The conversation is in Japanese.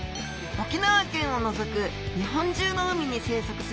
沖縄県を除く日本中の海に生息する